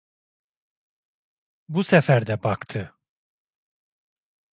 Bu sefer de baktı.